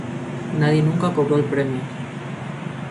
Nadie nunca cobró el premio.